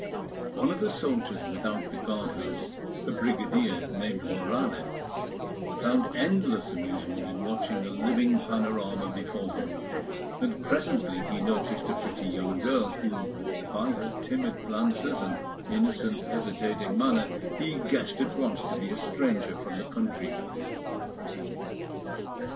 One of the soldiers without the guard house, a brigadier named Morales, found endless amusement in watching the living panorama before him; and presently he noticed a pretty young girl, who, by her timid glances and innocent, hesitating manner, he guessed at once to be a stranger from the country.